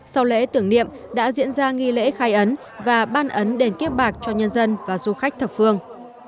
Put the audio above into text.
sau lễ tưởng niệm đã diễn ra nghi lễ khai ấn và ban ấn đền kiếp bạc cho nhân dân và du khách thập phương